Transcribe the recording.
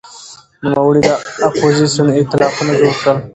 نوموړي د اپوزېسیون ائتلافونه جوړ کړل.